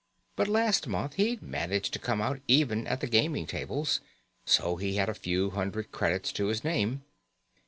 But last month he'd managed to come out even at the gaming tables, so he had a few hundred credits to his name.